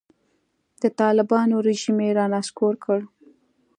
د طالبانو رژیم یې رانسکور کړ.